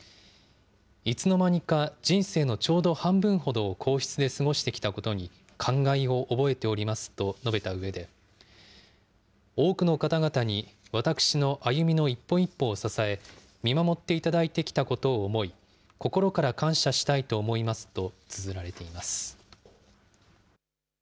いつの間にか人生のちょうど半分ほどを皇室で過ごしてきたことに感慨を覚えておりますと述べたうえで、多くの方々に私の歩みの一歩一歩を支え、見守っていただいてきたことを思い、心から感謝したいと思いますとつづられています。